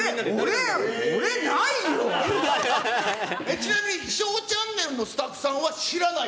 俺、ちなみにＳＨＯＷチャンネルのスタッフさんは知らない？